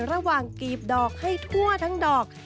กรีบดอกให้ทั่วทั้งดอก